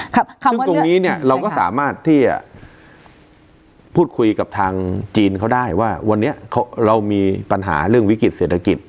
ซึ่งตรงนี้เนี่ยเราก็สามารถที่จะพูดคุยกับทางจีนเขาได้ว่าวันนี้เรามีปัญหาเรื่องวิกฤติเศรษฐกิจ